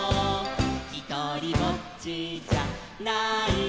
「ひとりぼっちじゃないさ」